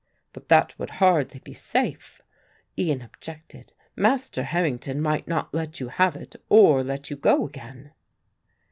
"But that would hardly be safe," Ian objected; "Master Harrington might not let you have it or let you go again."